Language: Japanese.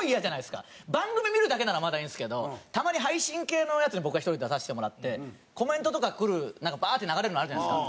番組見るだけならまだいいんですけどたまに配信系のやつに僕が１人で出させてもらってコメントとかくるバーッて流れるのあるじゃないですか。